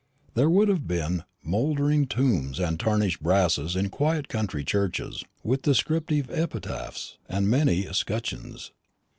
There would have been mouldering tombs and tarnished brasses in quiet country churches, with descriptive epitaphs, and many escutcheons.